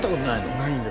ないんです